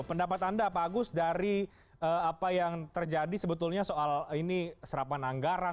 pendapat anda pak agus dari apa yang terjadi sebetulnya soal ini serapan anggaran